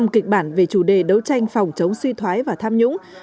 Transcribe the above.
năm kịch bản về chủ đề đấu tranh phòng chống suy thoái và tham nhũng